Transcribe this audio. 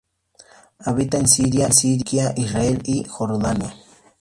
Habita en Siria, Turquía, Israel y Jordania.